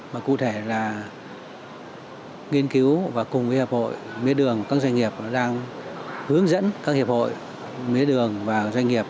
mà cụ thể là nghiên cứu và cùng với hiệp hội mía đường các doanh nghiệp đang hướng dẫn các hiệp hội mía đường và doanh nghiệp